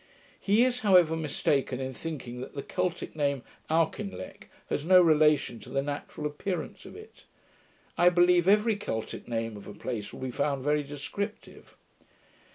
He is, however, mistaken in thinking that the Celtick name, Auchinleck, has no relation to the natural appearance of it. I believe every Celtick name of a place will be found very descriptive.